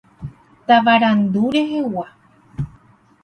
Tavarandu rehegua.